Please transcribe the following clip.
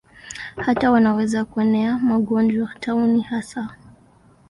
Hata wanaweza kuenea magonjwa, tauni hasa.